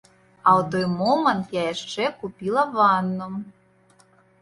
А ў той момант я яшчэ купіла ванну.